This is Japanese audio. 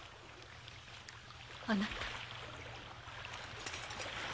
あなた。